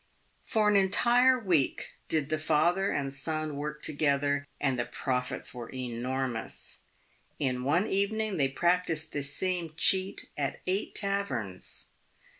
For an entire week did the father and son work together, and the profits were enormous. In one evening they practised this same cheat at eight taverns.